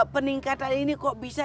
peningkatan ini kok bisa